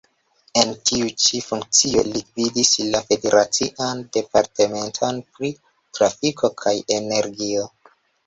En tiu-ĉi funkcio li gvidis la Federacian Departementon pri Trafiko kaj Energio.